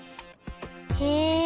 へえ！